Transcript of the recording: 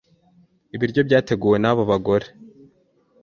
Ibiryo byateguwe naba gore